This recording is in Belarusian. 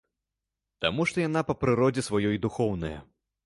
Таму што яна па прыродзе сваёй духоўная.